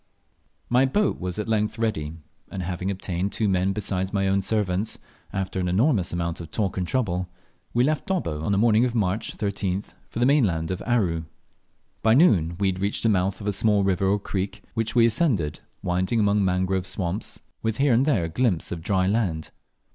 MY boat was at length ready, and having obtained two men besides my own servants, after an enormous amount of talk and trouble, we left Dobbo on the morning of March 13th, for the mainland of Aru. By noon we reached the mouth of a small river or creek, which we ascended, winding among mangrove, swamps, with here and there a glimpse of dry land.